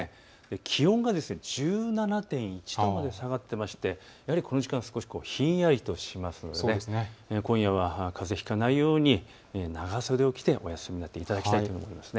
気温が１７．１度まで下がっていましてやはりこの時間は少しひんやりとしますので今夜はかぜひかないように長袖を着てお休みになっていただきたいと思います。